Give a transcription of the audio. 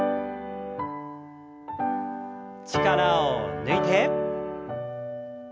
力を抜いて。